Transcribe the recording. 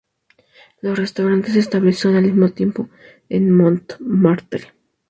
Los restaurantes se establecieron al mismo tiempo en Montmartre.